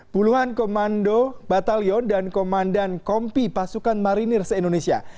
puluhan komando batalion dan komandan kompi pasukan marinir se indonesia